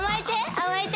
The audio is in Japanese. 「甘えて」